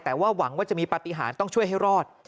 แต่ว่าหวังว่าจะมีปฏิหารต้องช่วยให้รอด